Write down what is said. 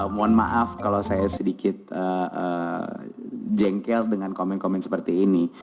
mohon maaf kalau saya sedikit jengkel dengan komen komen seperti ini